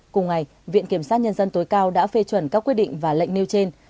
cùng ngày viện kiểm sát nhân dân tối cao đã phê chuẩn các quyết định và lệnh nêu trên